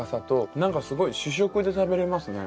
何かすごい主食で食べれますね。